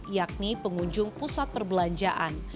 yakni pengunjung pusat perbelanjaan